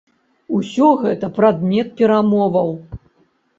Усё гэта прадмет перамоваў.